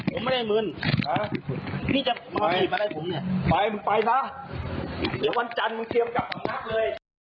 ผมไม่ได้เงินนี่จะมาบีบอะไรผมเนี่ยไปมึงไปซะเดี๋ยววันจันทร์มึงเตรียมกลับสำนักเลย